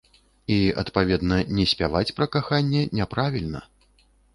І, адпаведна, не спяваць пра каханне, няправільна.